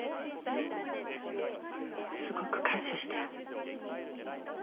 すごく感謝してる。